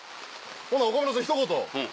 ほんなら岡村さんひと言。